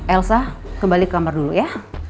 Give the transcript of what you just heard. elsa kembali ke kamar dulu ya